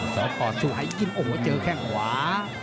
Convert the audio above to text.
สายยิ่มโอ้โหเจอแค่งขวา